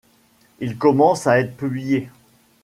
Il commence à être publié.